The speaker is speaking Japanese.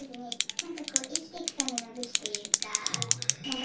なんかこう生きてくための武器というか。